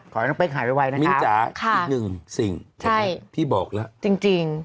ขอให้น้องเป๊กหายไวนะมิ้นจ๋าอีกหนึ่งสิ่งที่บอกแล้วจริง